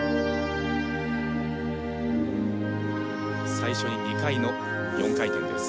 最初に２回の４回転です。